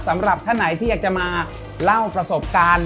สำหรับท่านไหนที่อยากจะมาเล่าประสบการณ์